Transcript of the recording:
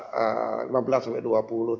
lima belas sampai dua puluh